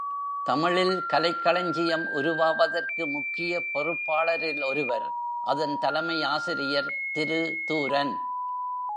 தமிழில் கலைக்களஞ்சியம் உருவாவதற்கு முக்கிய பொறுப்பாளரில் ஒருவர், அதன் தலைமை ஆசிரியர் திரு தூரன்.